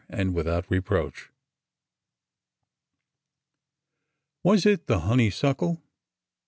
AND WITHOUT REPROACH W AS it the honeysuckle